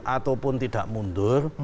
ataupun tidak mundur